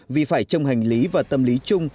vì phải trong hành lý và tâm lý chung